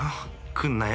来んなよ